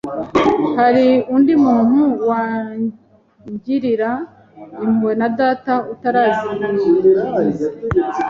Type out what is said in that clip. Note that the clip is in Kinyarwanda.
hari undi muntu wangirira impuhwe na Data atarazigize